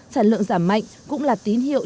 sản lượng giảm mạnh cũng là tín hiệu cho thấy